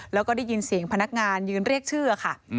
แล้วก็ได้ยินเสียงพนักงานยืนเรียกชื่อค่ะ